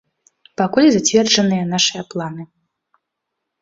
Пакуль зацверджаныя нашыя планы.